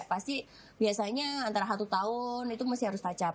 pasti biasanya antara satu tahun itu mesti harus tajam